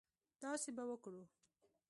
داسې به وکړو.